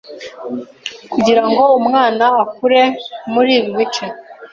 Kugira ngo umwana akure muri ibi bice